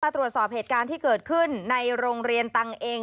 ตรวจสอบเหตุการณ์ที่เกิดขึ้นในโรงเรียนตังเอง